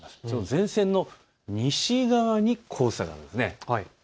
前線の西側に黄砂があるんです。